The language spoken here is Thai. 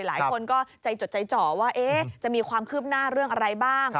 หลายคนก็ใจจดใจจ่อว่าจะมีความคืบหน้าเรื่องอะไรบ้าง